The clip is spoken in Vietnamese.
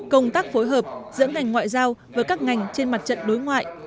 công tác phối hợp giữa ngành ngoại giao với các ngành trên mặt trận đối ngoại